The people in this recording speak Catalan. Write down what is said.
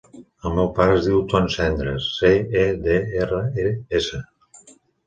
El meu pare es diu Ton Cedres: ce, e, de, erra, e, essa.